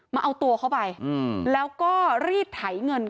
มาเอาตัวเข้าไปแล้วก็รีดไถเงิน